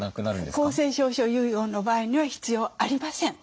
公正証書遺言の場合には必要ありません。